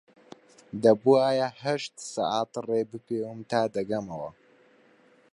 دەبوایە هەشت سەعات ڕێ بپێوم تا دەگەمەوە